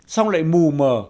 xong lại mù mờ